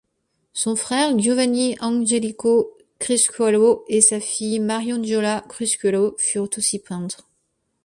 Son frère Giovanni Angelico Criscuolo et sa fille Mariangiola Criscuolo furent aussi peintres.